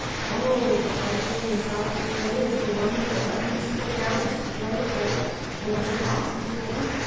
"Oh h!" was all Julia Cloud could say as the wonderful garment slipped out and spread about over the box and floor.